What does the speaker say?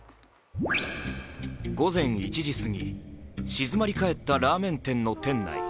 午前１時すぎ、静まりかえったラーメン店の店内。